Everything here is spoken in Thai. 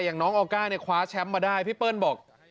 อย่างน้องออก้าเนี่ยคว้าแชมป์มาได้พี่เปิ้ลบอก